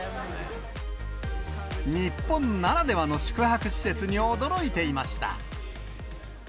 日本ならではの宿泊施設に驚いていました。